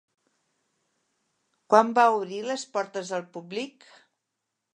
Quan va obrir les portes al públic?